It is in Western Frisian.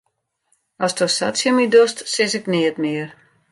Asto sa tsjin my dochst, sis ik neat mear.